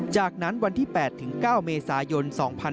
จากนั้นวันที่๘ถึง๙เมษายน๒๕๕๙